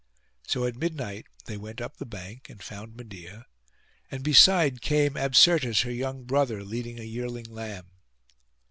So at midnight they went up the bank, and found Medeia; and beside came Absyrtus her young brother, leading a yearling lamb.